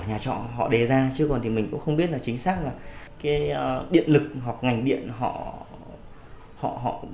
nhà trọ họ đề ra chứ còn thì mình cũng không biết là chính xác là cái điện lực hoặc ngành điện họ